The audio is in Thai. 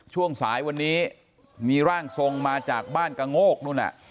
ช่วงสายวันนี้มีร่างทรงมาจากบ้านกะโงกนู่นน่ะ